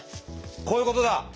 こういうことだ！